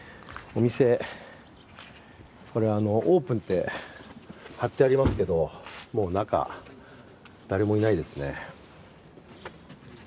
お店、オープンって貼ってありますけどもう中、誰もいないですね。